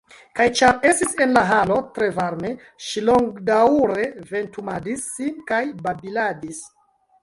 Kaj ĉar estis en la halo tre varme, ŝi longadaŭre ventumadis sin kaj babiladis.